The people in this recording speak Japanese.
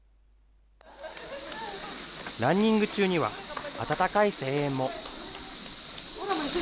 ランニング中には、温かい声援も。